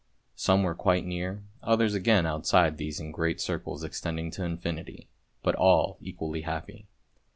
Some were quite near, others again outside these in great circles extending to Infinity, but all equally happy.